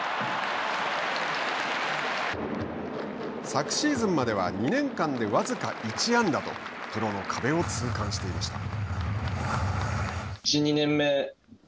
昨シーズンまでは２年間で僅か１安打とプロの壁を痛感していました。